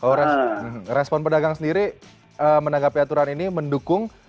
oh respon pedagang sendiri menanggapi aturan ini mendukung